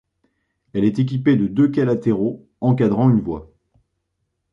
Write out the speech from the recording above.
Elle est équipée de deux quais latéraux, encadrant une voie.